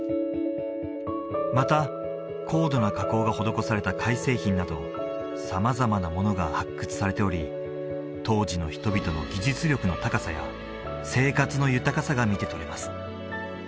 また高度な加工が施された貝製品など様々なものが発掘されており当時の人々の技術力の高さや生活の豊かさが見て取れます